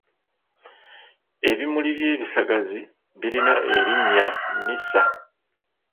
Ebimuli by’ebisagazi birina erinnya misa.